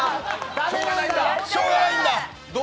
しょうがないんだ。